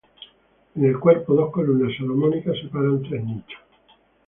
En el cuerpo, dos columnas salomónicas separan tres nichos.